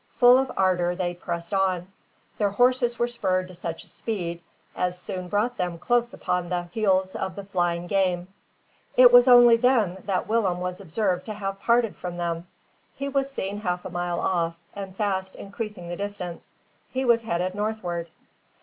Full of ardour they pressed on. Their horses were spurred to such a speed as soon brought them close upon the heels of the flying game. It was only then that Willem was observed to have parted from them. He was seen half a mile off, and fast increasing the distance. He was heading northward.